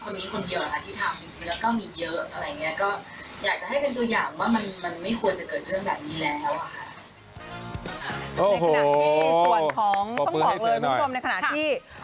ในขณะที่ส่วนของต้องบอกเลยคุณผู้ชมในขณะที่